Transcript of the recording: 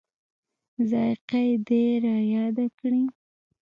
ذایقه یې دای رایاد کړي.